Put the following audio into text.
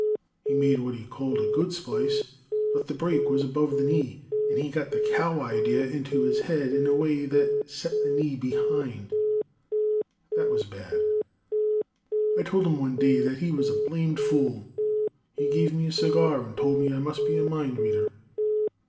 He made what he called a good splice, but the break was above the knee, and he got the cow idea into his head in a way that set the knee behind. That was bad. [Illustration: HE GAVE ME A CIGAR.] "I told him one day that he was a blamed fool. He gave me a cigar and told me I must be a mind reader.